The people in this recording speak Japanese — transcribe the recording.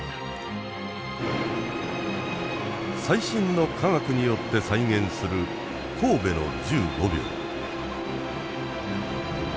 最新の科学によって再現する「神戸の１５秒」。